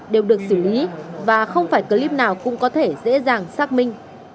đều được xử lý và không phải clip nào cũng có thể dễ dàng xác minh